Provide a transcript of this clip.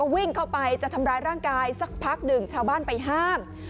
วิ่งเข้าไปจะทำร้ายร่างกายสักพักหนึ่งชาวบ้านไปห้าม